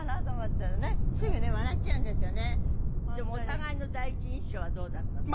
でもお互いの第一印象はどうだったの？